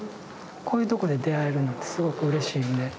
こういうとこで出会えるのってすごくうれしいんで。